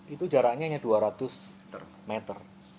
itu jaraknya hanya dua ratus meter